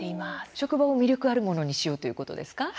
職場を魅力あるものにしようというものですか。